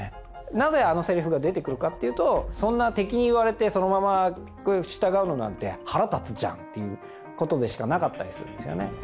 なぜあのセリフが出てくるかというと「そんな敵に言われてそのまま従うのなんて腹立つじゃん！」ということでしかなかったりするんですよね。